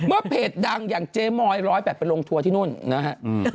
เมื่อเพจดังอย่างเจมอย๑๘๐ไปลงทัวร์ที่นู่นนะครับ